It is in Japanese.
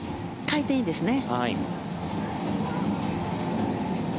回転、いいですね。